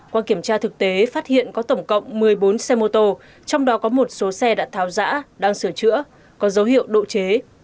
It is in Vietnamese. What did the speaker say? qua kiểm tra thực tế phát hiện có tổng cộng một mươi bốn xe mô tô trong đó có một số xe đã tháo giã đang sửa chữa có dấu hiệu độ chế